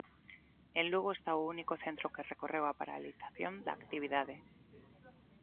En Lugo está o único centro que recorreu a paralización da actividade.